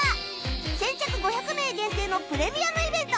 先着５００名限定のプレミアムイベント